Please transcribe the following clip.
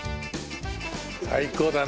最高だな。